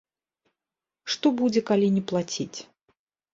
Што будзе, калі не плаціць?